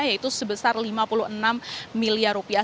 yaitu sebesar lima puluh enam miliar rupiah